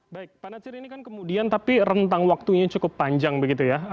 baik pak natsir ini kan kemudian tapi rentang waktunya cukup panjang begitu ya